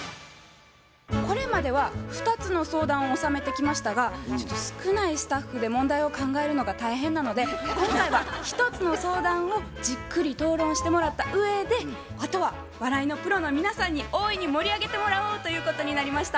これまでは２つの相談をおさめてきましたがちょっと少ないスタッフで問題を考えるのが大変なので今回は１つの相談をじっくり討論してもらったうえであとは笑いのプロの皆さんに大いに盛り上げてもらおうということになりました。